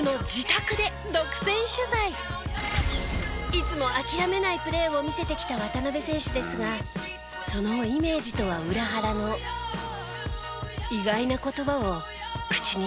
いつも諦めないプレーを見せてきた渡邊選手ですがそのイメージとは裏腹の意外な言葉を口にしたのです。